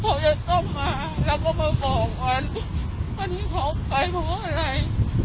เขาจะต้องมาแล้วก็มาบอกมันวันที่เขาไปเพราะอะไร